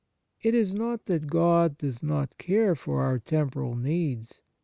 It is not that God does not care for our temporal needs.